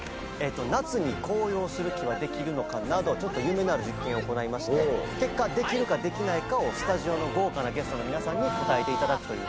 夏に紅葉する木はできるのか？などちょっと夢のある実験を行いまして結果できるかできないかをスタジオの豪華なゲストの皆さんに答えていただくという。